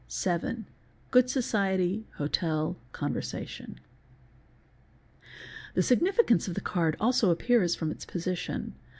Seven—good society, hotel, conversation. | The significance of the card also appears from its position.